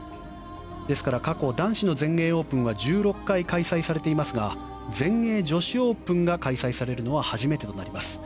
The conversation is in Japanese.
ですから過去男子の全英オープンは１６回開催されていますが全英女子オープンが開催されるのは初めてとなります。